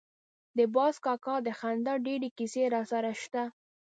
د باز کاکا د خندا ډېرې کیسې راسره شته.